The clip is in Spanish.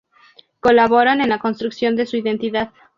Colaboran en la construcción de su identidad.